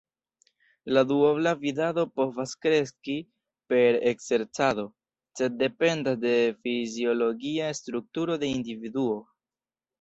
La duobla vidado povas kreski per ekzercado, sed dependas de fiziologia strukturo de individuo.